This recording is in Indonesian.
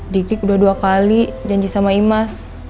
dik dik udah dua kali janji sama imas